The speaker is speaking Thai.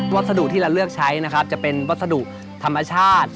วัสดุที่เราเลือกใช้นะครับจะเป็นวัสดุธรรมชาติ